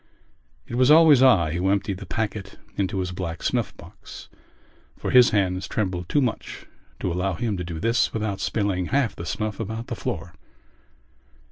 It was always I who emptied the packet into his black snuff box for his hands trembled too much to allow him to do this without spilling half the snuff about the floor.